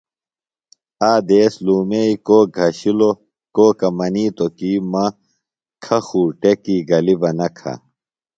آ دیس لُومئی کوک گھشِلوۡ۔ کوکہ منیتوۡ کی مہ کھہ خو ٹیۡکی گلیۡ بہ نہ کھہ۔